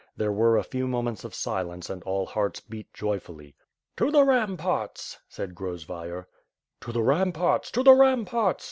There were a few moments of silence and all hearts beat joyfully. "To the ram parts!" said Grozvayer. 'To the ramparts! To the ramparts!"